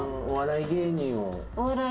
お笑い芸人？